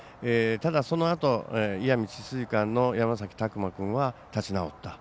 ただ、そのあと石見智翠館の山崎琢磨君は立ち直った。